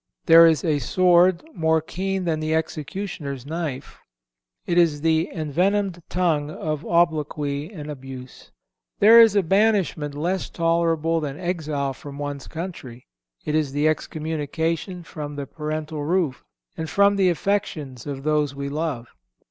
There is a sword more keen than the executioner's knife; it is the envenomed tongue of obloquy and abuse. There is a banishment less tolerable than exile from one's country; it is the excommunication from the parental roof and from the affections of those we love.